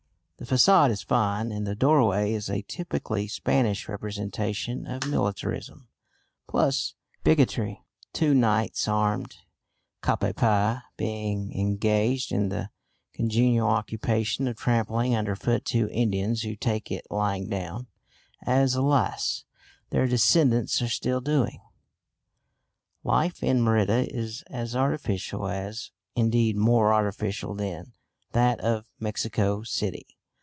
The façade is fine, and the doorway is a typically Spanish representation of militarism plus bigotry two knights, armed cap à pie, being engaged in the congenial occupation of trampling underfoot two Indians who "take it lying down," as, alas! their descendants are still doing. Life in Merida is as artificial as indeed more artificial than that of Mexico City.